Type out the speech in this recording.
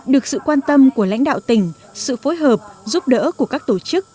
được sự quan tâm của lãnh đạo tỉnh sự phối hợp giúp đỡ của các tổ chức